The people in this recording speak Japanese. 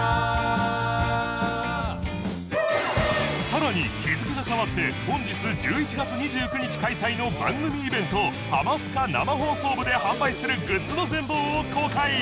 さらに日付が変わって本日１１月２９日開催の番組イベント「ハマスカ生放送部」で販売するグッズの全貌を公開！